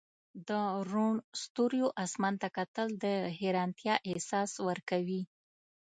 د روڼ ستوریو اسمان ته کتل د حیرانتیا احساس ورکوي.